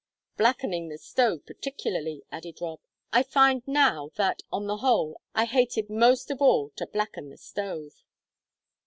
"Blackening the stove particularly," added Rob. "I find now that, on the whole, I hated most of all to blacken the stove."